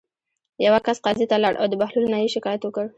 یوه کس قاضي ته لاړ او د بهلول نه یې شکایت وکړ.